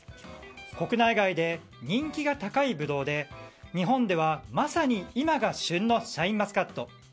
国内外で人気が高いブドウで日本ではまさに今が旬のシャインマスカット。